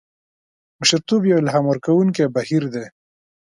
مشرتوب یو الهام ورکوونکی بهیر دی.